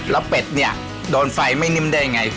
แล้วเป็ดเนี่ยโดนไฟไม่นิ่มได้ยังไง